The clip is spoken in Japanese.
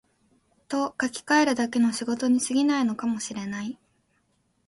と書きかえるだけの仕事に過ぎないかも知れない